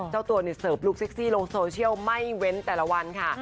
เจ้าตัวเนี่ยเสิร์ฟลูกเซ็กซี่ลงโซเชียลไม่เว้นแต่ละวันค่ะ